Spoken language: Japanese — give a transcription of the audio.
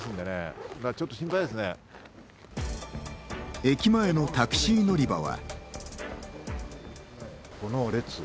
駅前のタクシー乗り場は。